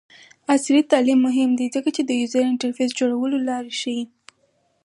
عصري تعلیم مهم دی ځکه چې د یوزر انټرفیس جوړولو لارې ښيي.